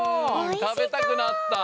んたべたくなった！